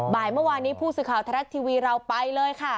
บ่ายเมื่อวานนี้ผู้สื่อข่าวทรัฐทีวีเราไปเลยค่ะ